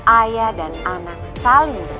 ayah dan anak selalu bertanggung